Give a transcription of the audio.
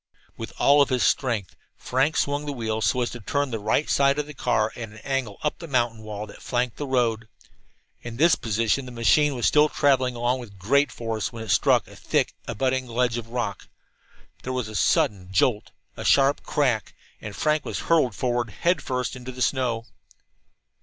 With all his strength Frank swung the wheel so as to turn the right side of the car at an angle up the mountain wall that flanked the road. In this position the machine was still traveling along with great force when it struck a thick abutting ledge of rock. There was a sudden jolt, a sharp crack, and Frank was hurtled forward head first into the snow.